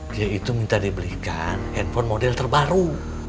dia itu minta dibelikan handphone model terbaru